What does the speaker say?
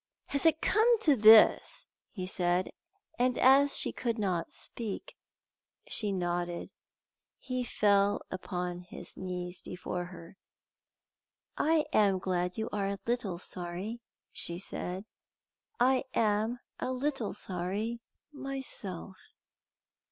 "Has it come to this!" he said, and as she could not speak, she nodded. He fell upon his knees before her. "I am glad you are a little sorry," she said; "I am a little sorry myself."